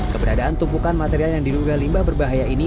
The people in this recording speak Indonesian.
keberadaan tumpukan material yang diduga limbah berbahaya ini